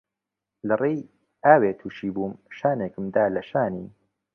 لە ڕێی ئاوێ تووشی بووم شانێکم دا لە شانی